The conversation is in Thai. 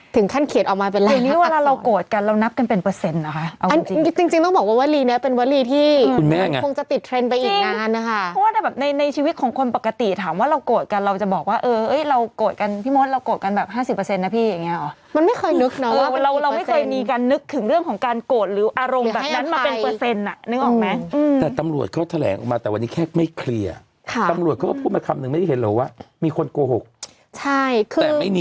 ถึงขั้นเขตออกมาเป็นอะไรค่ะค่ะค่ะค่ะค่ะค่ะค่ะค่ะค่ะค่ะค่ะค่ะค่ะค่ะค่ะค่ะค่ะค่ะค่ะค่ะค่ะค่ะค่ะค่ะค่ะค่ะค่ะค่ะค่ะค่ะค่ะค่ะค่ะค่ะค่ะค่ะค่ะค่ะค่ะค่ะค่ะค่ะค่ะค่ะค่ะค่ะค่ะค่ะค่ะค่ะค่ะค่ะ